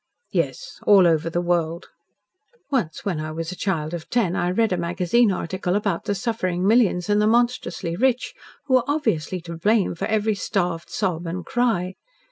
"Yes. All over the world." "Once when I was a child of ten I read a magazine article about the suffering millions and the monstrously rich, who were obviously to blame for every starved sob and cry.